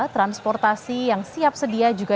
transportasi yang siap sedia juga